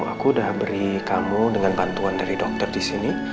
aku udah beri kamu dengan bantuan dari dokter disini